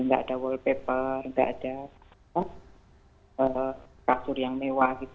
nggak ada wallpaper nggak ada kasur yang mewah gitu